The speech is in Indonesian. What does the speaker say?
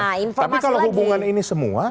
informasi lagi tapi kalau hubungan ini semua